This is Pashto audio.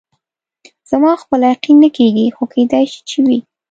زما خپله یقین نه کېږي، خو کېدای شي چې وي.